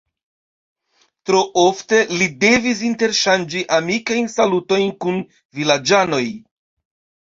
Tro ofte li devis interŝanĝi amikajn salutojn kun vilaĝanoj.